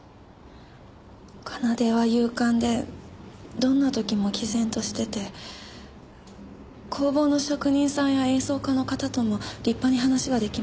奏は勇敢でどんな時も毅然としてて工房の職人さんや演奏家の方とも立派に話が出来ました。